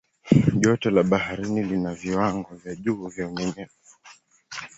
joto la baharini lina viwango vya juu vya unyevunyevu